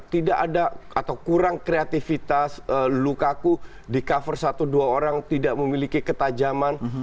tidak ada atau kurang kreatifitas lukaku di cover satu dua orang tidak memiliki ketajaman